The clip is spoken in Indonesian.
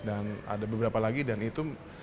dan ada beberapa lagi dan itu